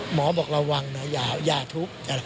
หมอบอกระวังนะอย่าทุบ